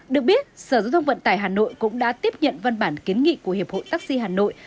được biết sở giao thông vận tải hà nội cũng đã tiếp nhận văn bản kiến nghị của hiệp hội taxi hà nội